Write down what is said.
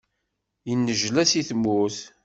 Yennejla seg tmurt.